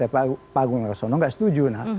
pak agung gak setuju